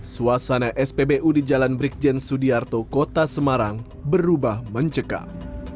suasana spbu di jalan brikjen sudiarto kota semarang berubah mencekam